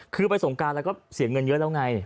คือไปสงการแล้วก็เสียเงินเยอะแล้วไง